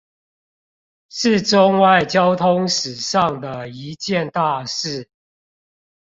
是中外交通史上的一件大事